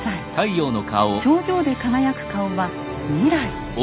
頂上で輝く顔は「未来」。